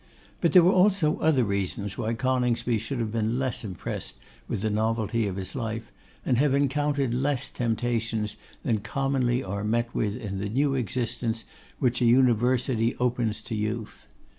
But there were also other reasons why Coningsby should have been less impressed with the novelty of his life, and have encountered less temptations than commonly are met with in the new existence which an University opens to youth.